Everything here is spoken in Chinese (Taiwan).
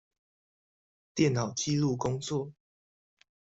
電腦紀錄工作